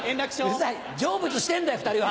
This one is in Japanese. うるさい成仏してんだよ２人は。